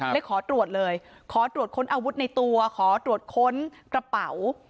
เลยขอตรวจเลยขอตรวจค้นอาวุธในตัวขอตรวจค้นกระเป๋า